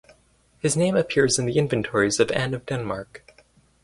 His name appears in the inventories of Anne of Denmark.